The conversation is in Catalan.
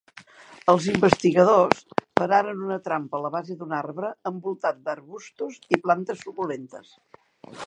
Els investigadors pararen una trampa a la base d'un arbre envoltat d'arbustos i plantes suculentes.